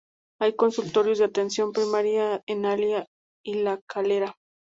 Hay consultorios de atención primaria en Alía y La Calera.